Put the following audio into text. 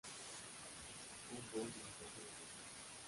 Fue un buen magnate deportivo.